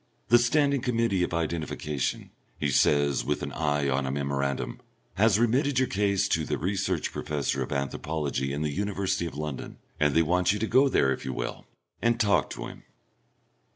"The Standing Committee of Identification," he says, with an eye on a memorandum, "has remitted your case to the Research Professor of Anthropology in the University of London, and they want you to go there, if you will, and talk to him."